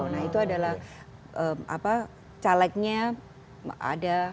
nah itu adalah calegnya ada